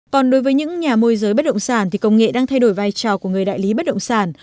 còn đối với những nhà môi giới bất động sản thì công nghệ đang thay đổi vai trò của người đại lý bất động sản